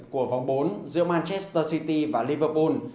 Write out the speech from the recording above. của vòng bốn giữa manchester city và liverpool